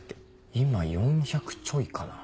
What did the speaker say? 今４００ちょいかな。